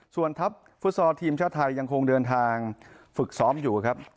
ส่วนทัพฟุตซอลทีมชาติไทยยังคงเดินทางฝึกซ้อมอยู่ครับ